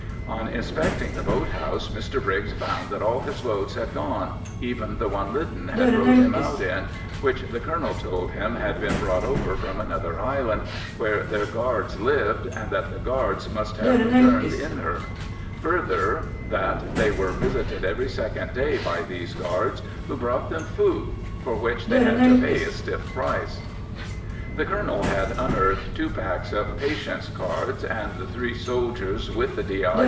On inspecting the boat house, Mr Briggs found that all his boats had gone, even the one Lyden had rowed him out in, which the colonel told him had been brought over from another island, where their guards lived, and that the guards must have returned in her; further, that they were visited every second day by these guards, who brought them food, for which they had to pay a stiff price. The colonel had unearthed two packs of patience cards, and the three soldiers, with the D.I.